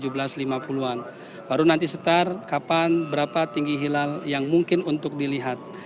baru nanti setar kapan berapa tinggi hilal yang mungkin untuk dilihat